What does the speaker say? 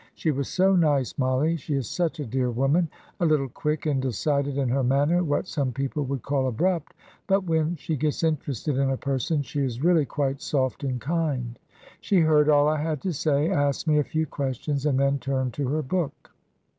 She was so nice, Mollie. She is such a dear woman; a little quick and decided in her manner what some people would call abrupt but when she gets interested in a person she is really quite soft and kind. She heard all I had to say, asked me a few questions, and then turned to her book.